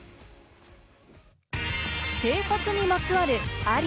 生活にまつわる、あり？